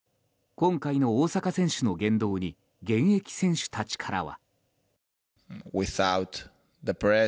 今回の大坂選手の言動に現役選手たちからは。